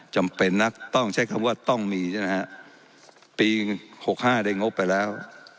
จำเป็นนักต้องใช้คำว่าต้องมีใช่ไหมฮะปีหกห้าได้งบไปแล้ว